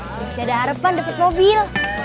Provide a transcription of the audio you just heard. cuma bisa ada arepan dapet mobil